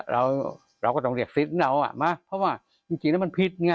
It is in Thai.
เราก็ต้องเรียกสิทธิ์เราเพราะว่าจริงแล้วมันพิษ